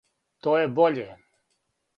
То је боље.